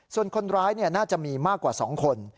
ส่วนคนร้ายน่าจะมีมากกว่า๒คน